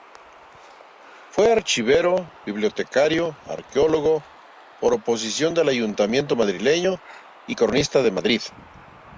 Fue archivero-bibliotecario-arqueólogo por oposición del ayuntamiento madrileño y cronista de Madrid.